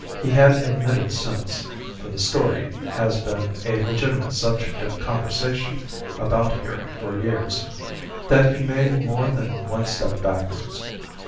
He had admitted since (for the story has been a legitimate subject of conversation about here for years) that he made more than one step backwards.